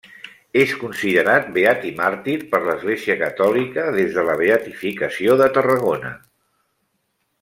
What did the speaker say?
És considerat beat i màrtir per l'Església Catòlica des de la Beatificació de Tarragona.